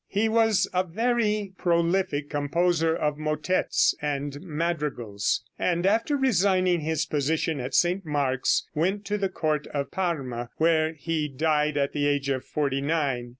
He was a very prolific composer of motettes and madrigals, and after resigning his position at St. Mark's went to the Court of Parma, where he died at the age of forty nine.